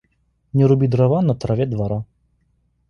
Не руби дрова на траве двора.